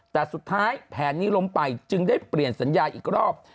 แต่สุดท้ายแผนนี้ล้มไปจึงได้เปลี่ยนสัญญาอีกรอบ